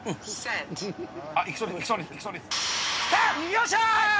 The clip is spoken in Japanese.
よっしゃー！